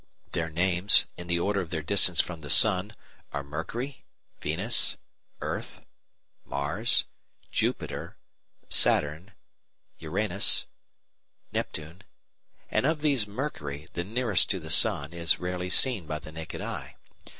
Their names, in the order of their distance from the sun, are Mercury, Venus, Earth, Mars, Jupiter, Saturn, Uranus, Neptune, and of these Mercury, the nearest to the sun, is rarely seen by the naked eye.